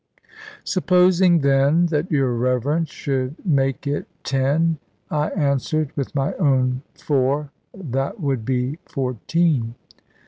"Supposing, then, that your Reverence should make it ten," I answered; "with my own four, that would be fourteen."